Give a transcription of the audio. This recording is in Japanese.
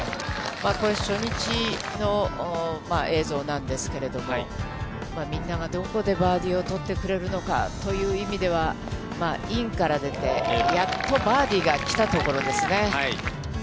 これ、初日の映像なんですけれども、みんながどこでバーディーを取ってくれるのかという意味では、インから出て、やっとバーディーがきたところですね。